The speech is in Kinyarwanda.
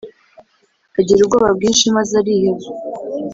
Agira ubwoba bwinshi; maze ariheba